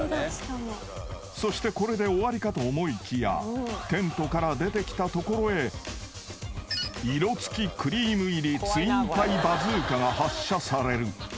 ［そしてこれで終わりかと思いきやテントから出てきたところへ色付きクリーム入りツインパイバズーカが発射される］